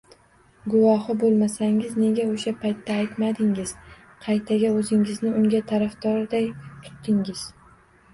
Guvohi boʻlmasangiz, nega oʻsha paytda aytmadingiz? Qaytaga oʻzingizni unga tarafdorday tutdingiz.